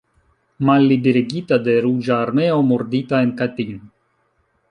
Malliberigita de Ruĝa Armeo, murdita en Katin.